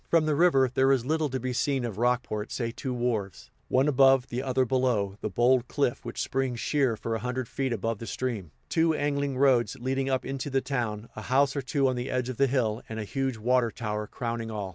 From the river, there is little to be seen of Rockport save two wharves, one above, the other below, the bold cliff which springs sheer for a hundred feet above the stream, two angling roads leading up into the town, a house or two on the edge of the hill and a huge water tower crowning all.